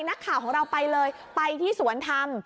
นักข่าวของเราไปเลยไปที่สวนธรรม